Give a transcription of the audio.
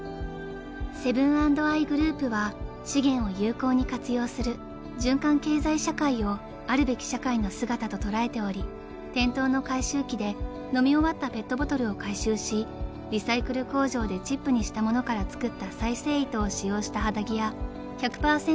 ［セブン＆アイグループは資源を有効に活用する循環経済社会をあるべき社会の姿と捉えており店頭の回収機で飲み終わったペットボトルを回収しリサイクル工場でチップにしたものから作った再生糸を使用した肌着や１００％